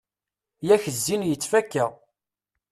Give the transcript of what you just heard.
Yak zzin yettfakka.